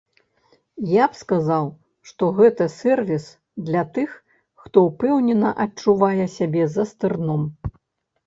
Я б сказаў, што гэта сэрвіс для тых, хто ўпэўнена адчувае сябе за стырном.